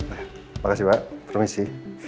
terima kasih pak permisi